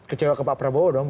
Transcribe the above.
kecewa ke pak prabowo dong